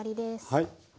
はい。